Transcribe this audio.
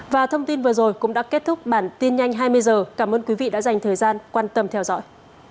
và thông tin vừa rồi cũng đã kết thúc bản tin nhanh hai mươi h cảm ơn quý vị đã dành thời gian quan tâm theo dõi